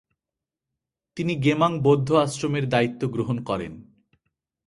তিনি গেমাং বৌদ্ধ আশ্রমের দায়িত্ব গ্রহণ করেন।